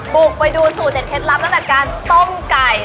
บุกไปดูสูตรเด็ดเคล็ดลับตั้งแต่การต้มไก่